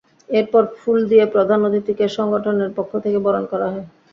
এরপর ফুল দিয়ে প্রধান অতিথিকে সংগঠনের পক্ষ থেকে বরণ করা হয়।